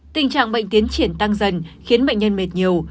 tình trạng bệnh tiến triển tăng dần khiến bệnh nhân mệt nhiều